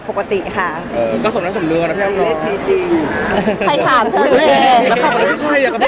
เอ้อเฮ้อก็เรียกว่าส่วนละส่วนมือพี่อัมนะ